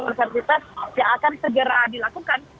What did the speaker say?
universitas yang akan segera dilakukan